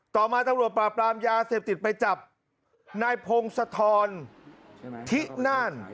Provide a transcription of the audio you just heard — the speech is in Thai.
ต่อมาตำรวจปราบรามยาเสพติดไปจับนายพงศธรที่น่าน